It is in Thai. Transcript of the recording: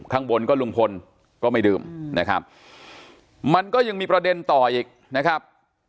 ข้างบนก็ลุงพลก็ไม่ดื่มนะครับมันก็ยังมีประเด็นต่ออีกนะครับ